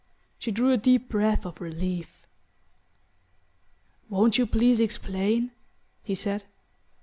She drew a deep breath of relief. "Won't you please explain?" he said.